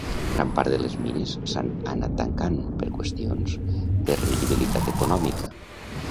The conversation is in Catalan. Gran part de les mines s'han anat tancant per qüestions de rendibilitat econòmica.